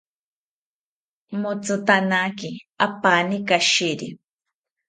Motzitanaki apani kashiri